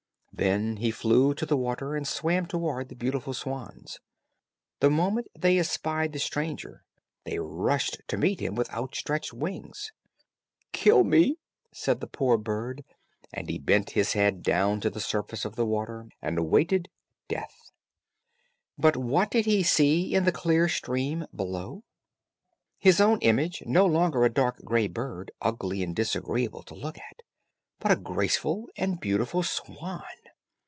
Then he flew to the water, and swam towards the beautiful swans. The moment they espied the stranger, they rushed to meet him with outstretched wings. "Kill me," said the poor bird; and he bent his head down to the surface of the water, and awaited death. But what did he see in the clear stream below? His own image; no longer a dark, gray bird, ugly and disagreeable to look at, but a graceful and beautiful swan.